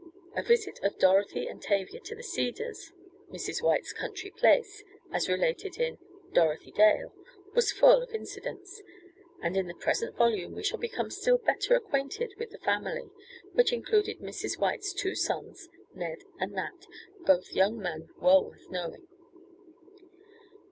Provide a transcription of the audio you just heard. A visit of Dorothy and Tavia to the Cedars, Mrs. White's country place, as related in "Dorothy Dale," was full of incidents, and in the present volume we shall become still better acquainted with the family, which included Mrs. White's two sons, Ned and Nat, both young men well worth knowing.